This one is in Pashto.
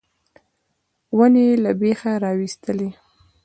ونې یې له بېخه راویستلې.